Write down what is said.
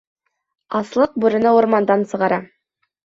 Аслыҡ бүрене урмандан сығара.